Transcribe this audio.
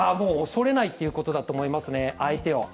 恐れないということだと思いますね、相手を。